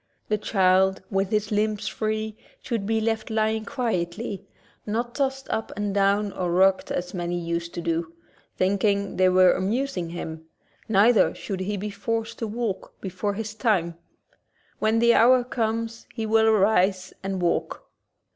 The child, with his limbs free, should be left lying quietly, not tossed up and down or rocked as many used to do, thinking they were amusing him ; neither should he be forced to walk be fore his time. When the hour comes he will arise and walk.